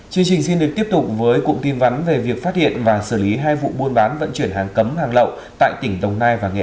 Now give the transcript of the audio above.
chương trình xin được tiếp tục với cụm tin vắn về việc phát hiện và xử lý hai vụ buôn bán vận chuyển hàng cấm hàng lậu tại tỉnh đồng nai và nghệ an